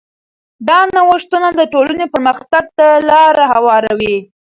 دا نوښتونه د ټولنې پرمختګ ته لاره هواروي.